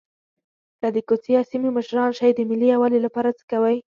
که د کوڅې یا سیمې مشران شئ د ملي یووالي لپاره څه کوئ.